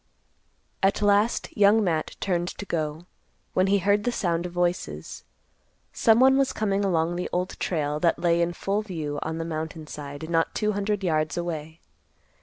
At last Young Matt turned to go, when he heard the sound of voices. Someone was coming along the Old Trail that lay in full view on the mountain side not two hundred yards away.